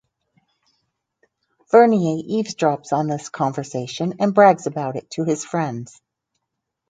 Vernier eavesdrops on this conversation and brags about it to his friends.